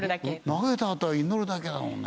投げたあとは祈るだけだもんね。